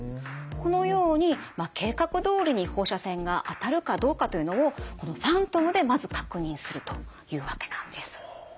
このように計画どおりに放射線が当たるかどうかというのをこのファントムでまず確認するというわけなんです。